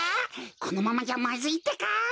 このままじゃまずいってか！